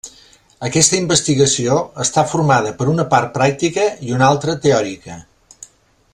Aquesta investigació està formada per una part pràctica i una altra teòrica.